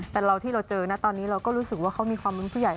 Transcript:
แต่เราที่เราเจอนะตอนนี้เราก็รู้สึกว่าเขามีความเป็นผู้ใหญ่